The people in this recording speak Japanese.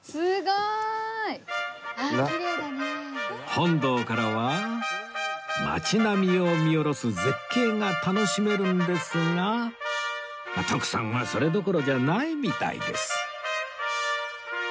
本堂からは街並みを見下ろす絶景が楽しめるんですが徳さんはそれどころじゃないみたいです